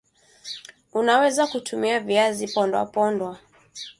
unaweza kutumia Viazi pondwa pondwa